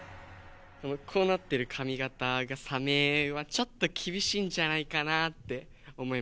こうなってる髪形がサメはちょっと厳しいんじゃないかなって思いました。